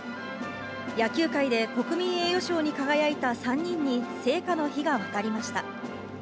野球界で国民栄誉賞に輝いた３人に聖火の火が渡りました。